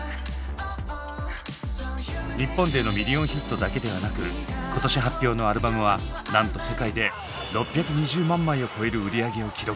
日本でのミリオンヒットだけではなく今年発表のアルバムはなんと世界で６２０万枚を超える売り上げを記録。